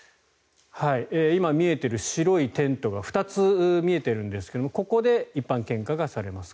今、見えている白いテントが２つ見えているんですがここで一般献花がされます。